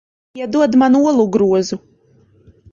Iedod man olu grozu.